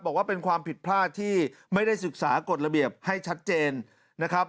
บอกว่าเป็นความผิดพลาดที่ไม่ได้ศึกษากฎระเบียบให้ชัดเจนนะครับ